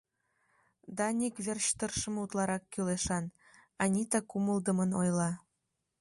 — Даник верч тыршыме утларак кӱлешан, — Анита кумылдымын ойла.